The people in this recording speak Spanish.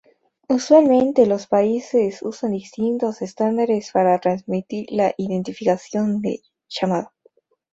Usualmente los países usan distintos estándares para transmitir la identificación de llamada.